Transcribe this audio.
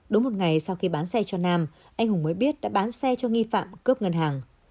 đúng một ngày sau khi bán xe cho nam anh hùng mới biết đã bán xe cho nghi phạm cướp ngân hàng